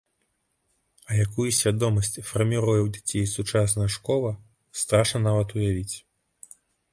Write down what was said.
А якую свядомасць фарміруе ў дзяцей сучасная школа, страшна нават уявіць.